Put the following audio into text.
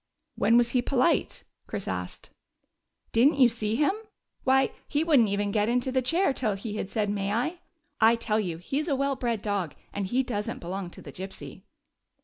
" When was he polite ?" Chris asked. " Did n't you see him ? Why, he would n't even get into the chair till he had said, ' May I ?' I tell you, he 's a well bred dog, and he does n't belong to the Gypsy."